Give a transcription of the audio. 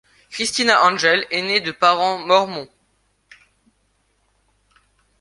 Christina Angel est née de parents mormons.